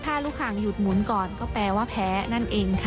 ถ้าลูกหางหยุดหมุนก่อนก็แปลว่าแพ้นั่นเองค่ะ